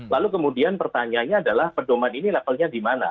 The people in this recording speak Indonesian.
lalu kemudian pertanyaannya adalah pedoman ini levelnya di mana